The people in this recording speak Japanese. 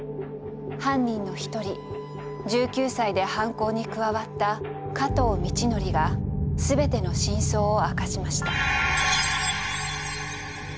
犯人の一人１９歳で犯行に加わった加藤倫教が全ての真相を明かしました。